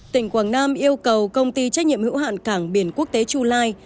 tỉnh quảng nam yêu cầu công ty trách nhiệm hữu hạn cảng biển quốc tế chu lai